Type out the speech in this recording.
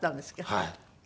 はい。